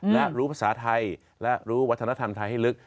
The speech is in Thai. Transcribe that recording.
และรู้ภาษาไทยและรู้วัฒนธรรมไทยให้ลึก